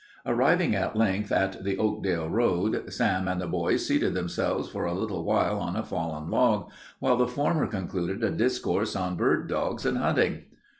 Arriving at length at the Oakdale Road, Sam and the boys seated themselves for a little while on a fallen log, while the former concluded a discourse on bird dogs and hunting.